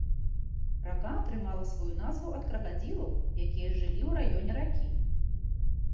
Рака атрымала сваю назву ад кракадзілаў, якія жылі ў раёне ракі.